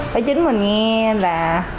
phải chính mình nghe là